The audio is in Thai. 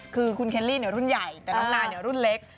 คือคุณเคลลี่รุ่นใหญ่แต่น้องนายรุ่นเล็ก